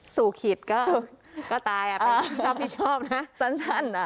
สู่ขิดก็ตายต้องผิดชอบนะ